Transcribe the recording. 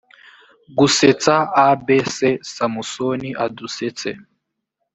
gusetsa abc samusoni adusetse